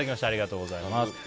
ありがとうございます。